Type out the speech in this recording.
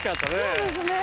そうですね。